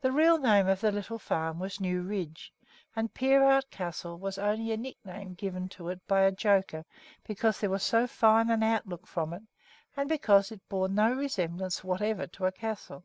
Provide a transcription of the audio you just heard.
The real name of the little farm was New Ridge, and "Peerout Castle" was only a nickname given to it by a joker because there was so fine an outlook from it and because it bore no resemblance whatever to a castle.